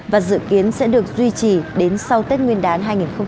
và dự kiến sẽ được duy trì đến sau tết nguyên đán hai nghìn một mươi tám